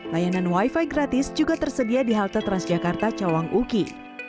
layanan wifi gratis juga tersedia di halte transjakarta cawang uki